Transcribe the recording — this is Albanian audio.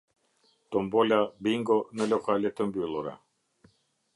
Tombola bingo në lokale të mbyllura.